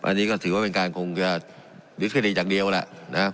อันนี้ก็ถือว่าเป็นการคงจะหยุดค่ะเดียวอย่างเดียวล่ะนะครับ